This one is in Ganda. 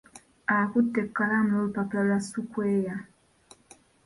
Akutte ekalamu n'olupapula lwa sukweya.